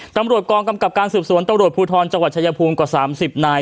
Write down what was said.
ตำรวจกองกำกับการสืบสวนตำรวจภูทรจังหวัดชายภูมิกว่า๓๐นาย